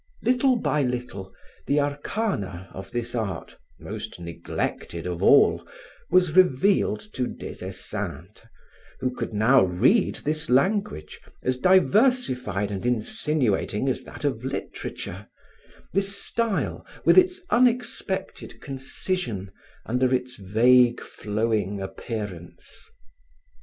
Little by little, the arcana of this art, most neglected of all, was revealed to Des Esseintes who could now read this language, as diversified and insinuating as that of literature, this style with its unexpected concision under its vague flowing appearance.